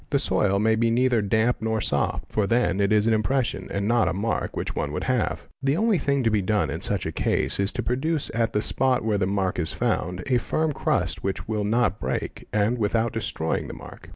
The soil may be neither damp nor soft, for then it is an impression and not a mark which one 'would have. 'The only thing to be done in such a case is to produce at — the spot where the mark is found a firm crust which will not break, and — without destroying the mark.